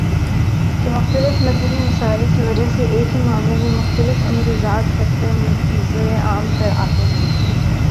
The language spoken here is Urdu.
کہ مختلف مذہبی مسالک کی وجہ سے ایک ہی معاملے میں مختلف اور متضاد فتوے منظرِ عام پر آتے ہیں